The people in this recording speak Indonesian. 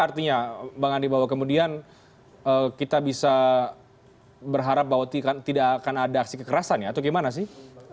artinya bang andi bahwa kemudian kita bisa berharap bahwa tidak akan ada aksi kekerasan ya atau gimana sih